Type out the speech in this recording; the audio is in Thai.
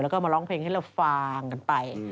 แล้วก็มาร้องเพลงให้เราฟังกันไป